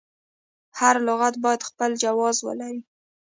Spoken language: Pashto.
هر لغت باید خپل جواز ولري.